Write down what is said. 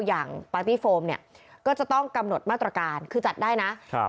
อย่างปาร์ตี้โฟมเนี่ยก็จะต้องกำหนดมาตรการคือจัดได้นะครับ